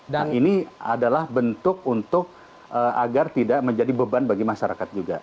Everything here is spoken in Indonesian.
dan ini adalah bentuk untuk agar tidak menjadi beban bagi masyarakat juga